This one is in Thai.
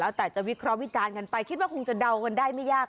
แล้วแต่จะวิเคราะห์วิจารณ์กันไปคิดว่าคงจะเดากันได้ไม่ยาก